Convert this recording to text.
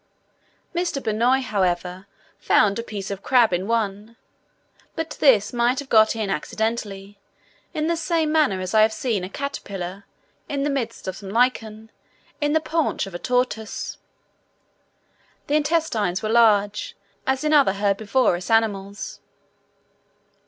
Mr. Baynoe, however, found a piece of crab in one; but this might have got in accidentally, in the same manner as I have seen a caterpillar, in the midst of some lichen, in the paunch of a tortoise. The intestines were large, as in other herbivorous animals.